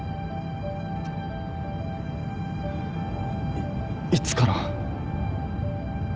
いっいつから？